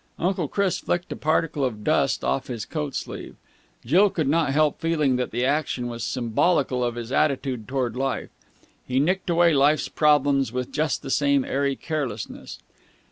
Uncle Chris flicked a particle of dust off his coat sleeve. Jill could not help feeling that the action was symbolical of his attitude towards life. He nicked away life's problems with just the same airy carelessness.